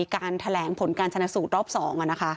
การแถลงผลการชนะสูตรรอบ๒